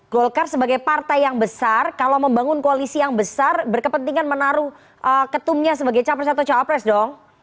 golkar sebagai partai yang besar kalau membangun koalisi yang besar berkepentingan menaruh ketumnya sebagai capres atau cawapres dong